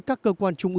các phần khác